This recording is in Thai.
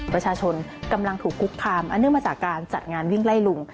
ประชาชนกำลังถูกคุกคามอันเนื่องมาจากการจัดงานวิ่งไล่ลุง